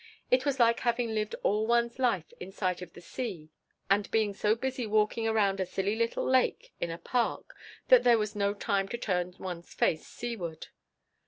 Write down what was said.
It was like having lived all one's life in sight of the sea and being so busy walking around a silly little lake in a park that there was no time to turn one's face seaward.